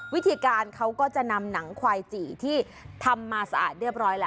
วิธีการเขาก็จะนำหนังควายจี่ที่ทำมาสะอาดเรียบร้อยแล้ว